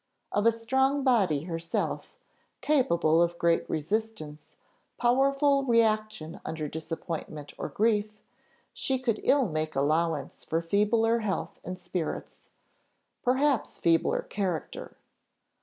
Of a strong body herself, capable of great resistance, powerful reaction under disappointment or grief, she could ill make allowance for feebler health and spirits perhaps feebler character.